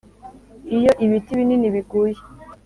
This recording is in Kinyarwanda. iyo ibiti binini biguye,